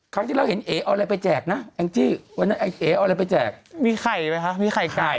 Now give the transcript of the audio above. ครั้งที่เราเห็นเอ๋เอาอะไรไปแจกนะแองจี้วันนั้นไอ้เอ๋เอาอะไรไปแจกมีไข่ไหมคะมีไข่ไก่